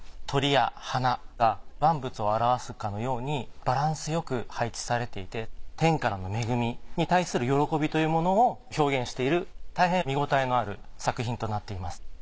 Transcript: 鳥や花が万物を表すかのようにバランスよく配置されていて天からの恵みに対する喜びというものを表現している大変見ごたえのある作品となっています。